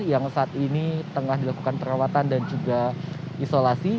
yang saat ini tengah dilakukan perawatan dan juga isolasi